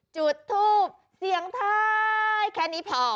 จุดทูบเสียงท้ายแค่นี้พอ